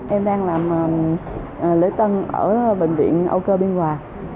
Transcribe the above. em đang làm lễ tân ở bệnh viện âu cơ biên hòa